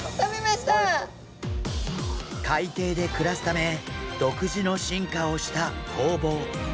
海底で暮らすため独自の進化をしたホウボウ。